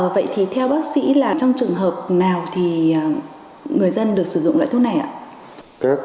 vậy thì theo bác sĩ là trong trường hợp nào thì người dân được sử dụng loại thuốc này ạ